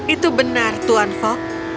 itu benar tuan fok